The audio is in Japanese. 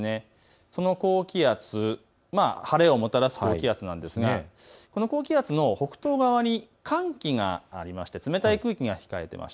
その高気圧、晴れをもたらす高気圧ですがこの高気圧の北東側に寒気がありまして冷たい空気が控えています。